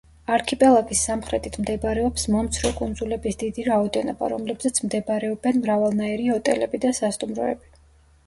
არქიპელაგის სამხრეთით მდებარეობს მომცრო კუნძულების დიდი რაოდენობა, რომლებზეც მდებარეობენ მრავალნაირი ოტელები და სასტუმროები.